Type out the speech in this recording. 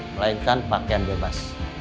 melainkan pakaian bebas